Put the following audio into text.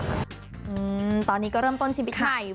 อืมตอนนี้ก็เริ่มต้นชีวิตใหม่